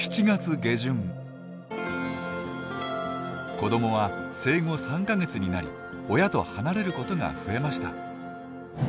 子どもは生後３か月になり親と離れることが増えました。